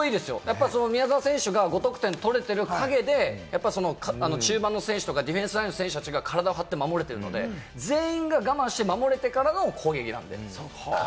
宮澤選手が５得点取れてる陰で、中盤の選手とかディフェンスラインの選手たちが体を張って守れているので、全員が我慢して守れているからの攻撃なんです。